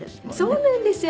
そうなんですよ。